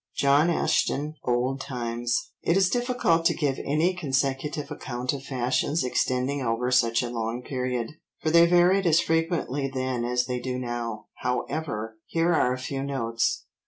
(John Ashton, Old Times.) It is difficult to give any consecutive account of fashions extending over such a long period, for they varied as frequently then as they do now, however, here are a few notes.